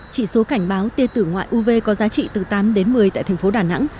chỉ số cảnh báo tia tử ngoại uv có giá trị từ tám đến một mươi tại thành phố đà nẵng